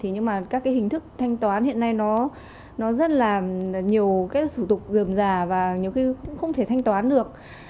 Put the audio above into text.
nhưng các hình thức thanh toán hiện nay rất là nhiều sử tục gồm già và nhiều khi cũng không thể thanh toán được